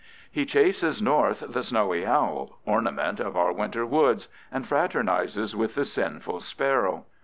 He chases north the snowy owl, ornament of our winter woods, and fraternizes with the sinful sparrow.